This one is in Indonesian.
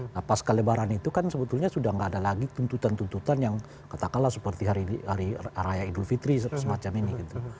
nah pas kelebaran itu kan sebetulnya sudah tidak ada lagi tuntutan tuntutan yang katakanlah seperti hari raya idul fitri semacam ini gitu